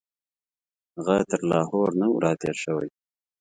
هغه تر لاهور نه وو راتېر شوی.